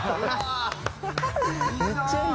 「めっちゃいい！